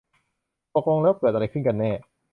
ตกลงแล้วเกิดอะไรขึ้นกันแน่